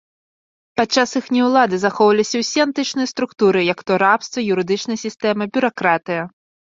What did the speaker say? Падчас іхняй улады захоўваліся ўсе антычныя структуры як то рабства, юрыдычная сістэма, бюракратыя.